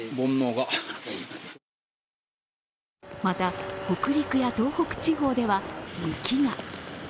また北陸や東北地方では雪が。